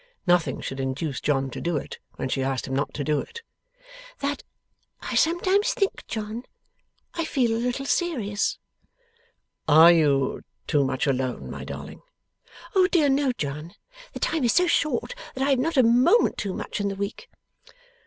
Nothing should induce John to do it, when she asked him not to do it. ' That I sometimes think, John, I feel a little serious.' 'Are you too much alone, my darling?' 'O dear, no, John! The time is so short that I have not a moment too much in the week.